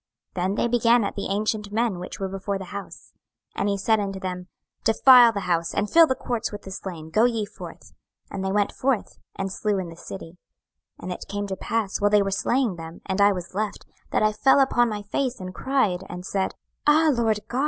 Then they began at the ancient men which were before the house. 26:009:007 And he said unto them, Defile the house, and fill the courts with the slain: go ye forth. And they went forth, and slew in the city. 26:009:008 And it came to pass, while they were slaying them, and I was left, that I fell upon my face, and cried, and said, Ah Lord GOD!